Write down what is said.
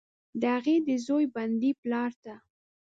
د هغې، د زوی، بندي پلارته،